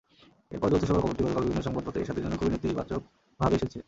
এরপর যৌথ সভার খবরটি গতকাল বিভিন্ন সংবাদপত্রে এরশাদের জন্য খুবই নেতিবাচকভাবে এসেছে।